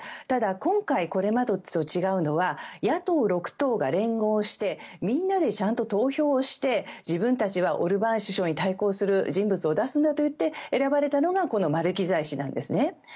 ただ、これまでと違うのは野党６党が連合してみんなでちゃんと投票をして自分たちはオルバーン首相に対抗する人物を出すといって選ばれたのがこのマルキザイ氏なんですね。